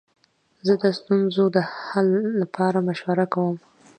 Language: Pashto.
زه د ستونزو د حل لپاره مشوره کوم.